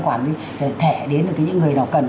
quản lý thẻ đến được những người nào cần